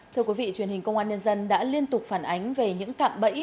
thưa quý vị truyền hình công an nhân dân đã liên tục phản ánh về những cạm bẫy